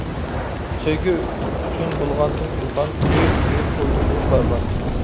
سۆيگۈ ئۈچۈن بولغانتىم گۈلخان، كۆيۈپ كۆيۈپ بولدۇمغۇ بەربات.